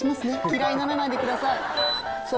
嫌いにならないでください。